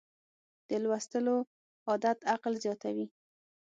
د لوستلو عادت عقل زیاتوي.